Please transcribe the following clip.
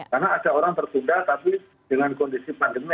karena ada orang tertunda tapi dengan kondisi pandemi